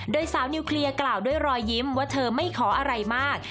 โดยสาวนิวเคลียร์กล่าวด้วยรอยยิ้มว่าเธอไม่ขออะไรมาก